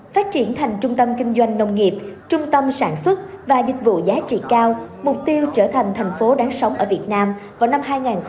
phát triển thành trung tâm kinh doanh nông nghiệp trung tâm sản xuất và dịch vụ giá trị cao mục tiêu trở thành thành phố đáng sống ở việt nam vào năm hai nghìn ba mươi